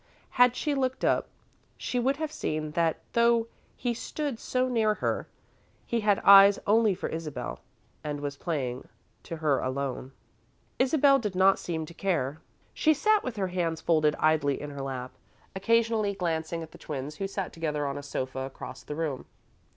Had she looked up, she would have seen that though he stood so near her, he had eyes only for Isabel and was playing to her alone. Isabel did not seem to care. She sat with her hands folded idly in her lap, occasionally glancing at the twins who sat together on a sofa across the room.